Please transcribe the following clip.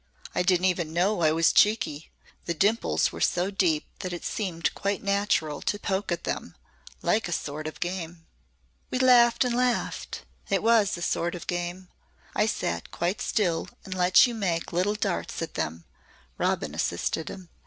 I didn't even know I was cheeky. The dimples were so deep that it seemed quite natural to poke at them like a sort of game." "We laughed and laughed. It was a sort of game. I sat quite still and let you make little darts at them," Robin assisted him.